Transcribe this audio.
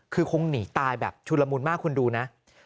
คือคงหนีตายแบบชุลมุนมากคุณดูนะ